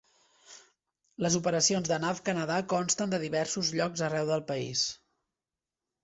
Les operacions de Nav Canada consten de diversos llocs arreu del país.